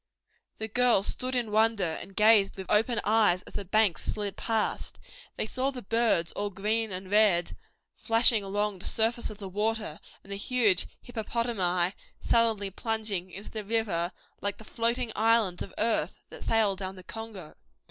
The girls stood in wonder and gazed with open eyes as the banks slid past. They saw the birds all green and red flashing along the surface of the water, and the huge hippopotami sullenly plunging into the river like the floating islands of earth that sail down the Congo.